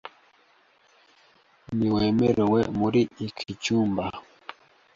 Ntiwemerewe muri iki cyumba .